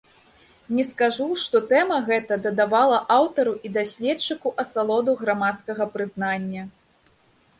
Не скажу, што тэма гэта дадавала аўтару і даследчыку асалоду грамадскага прызнання.